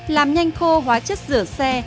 làm nhanh khô hóa chất rửa xe